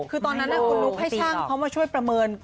คือตอนนั้นคุณนุ๊กให้ช่างเขามาช่วยประเมิน